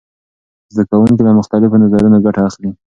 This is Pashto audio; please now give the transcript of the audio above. زده کوونکي له مختلفو نظرونو ګټه اخلي.